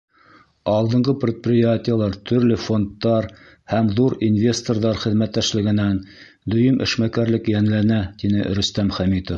Алдынғы предприятиелар, төрлө фондтар һәм ҙур инвесторҙар хеҙмәттәшлегенән дөйөм эшмәкәрлек йәнләнә, — тине Рөстәм Хәмитов.